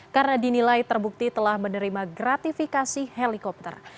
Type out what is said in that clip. karena dinilai terbukti telah menerima kreatifikasi helikopter